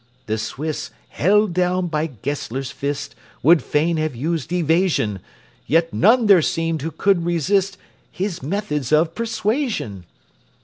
The Swiss, held down by Gessler's fist, Would fain have used evasion; Yet none there seemed who could resist His methods of persuasion.